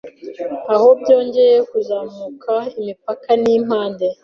aho byongeye kuzamukaImipaka ni impande